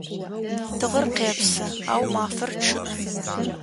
Тыгъэр къепсы, ау мафэр чъыӏэ.